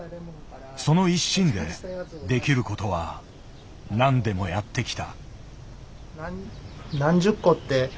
その一心でできることは何でもやってきた。